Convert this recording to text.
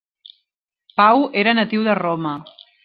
Pau era natiu de Roma.